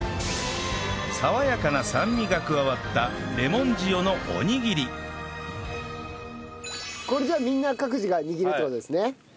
爽やかな酸味が加わったこれじゃあみんな各自が握るって事ですね。